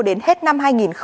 đến hết năm hai nghìn hai mươi